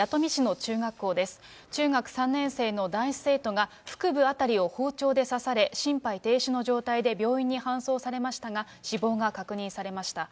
中学３年生の男子生徒が、腹部辺りを包丁で刺され、心肺停止の状態で病院に搬送されましたが、死亡が確認されました。